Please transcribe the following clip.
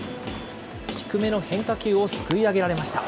低めの変化球をすくい上げられました。